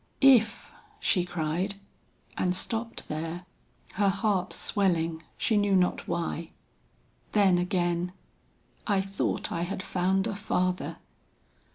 "If?" she cried and stopped there, her heart swelling she knew not why. Then again, "I thought I had found a father!"